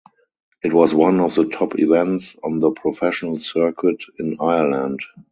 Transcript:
It was one of the top events on the professional circuit in Ireland.